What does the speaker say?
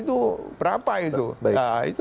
itu kalau kita hitung itu berapa itu